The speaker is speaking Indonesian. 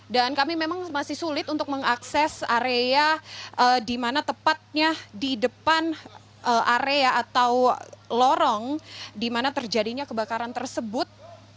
dan kami memang masih sulit untuk mengakses area di mana tepatnya di depan area atau lorong di mana terjadinya kebakaran tersebut